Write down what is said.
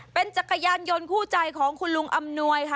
เป็นจักรยานยนต์คู่ใจของคุณลุงอำนวยค่ะ